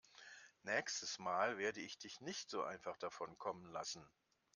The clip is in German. Nächstes Mal werde ich dich nicht so einfach davonkommen lassen.